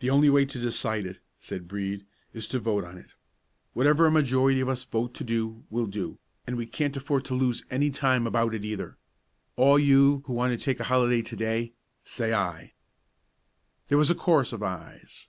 "The only way to decide it," said Brede, "is to vote on it. Whatever a majority of us vote to do we'll do, and we can't afford to lose any time about it either. All you who want to take a holiday to day say 'Ay'!" There was a chorus of ays.